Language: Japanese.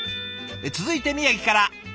続いて宮城から。